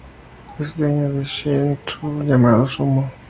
Ella es dueña de un Shih Tzu llamado Sumo.